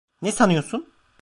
Ne sanıyorsun?